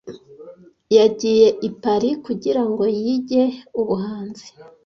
Yagiye i Paris kugirango yige ubuhanzi.